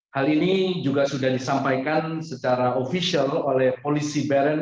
hal ini juga sudah disampaikan secara ofisial oleh polisi bern